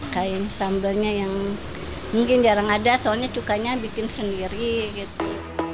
kain sambalnya yang mungkin jarang ada soalnya cukanya bikin sendiri gitu